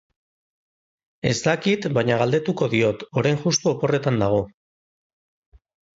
Ez dakit baina galdetuko diot, orain juxtu oporretan dago